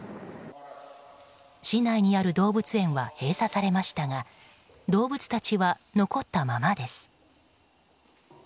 市内にある動物園は閉鎖されましたが動物たちは残ったままです。